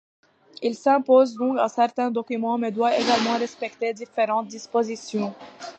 Il s’impose donc à certains documents, mais doit également respecter différentes dispositions.